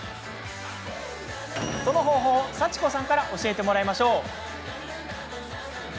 その方法を幸子さんから教えてもらいましょう。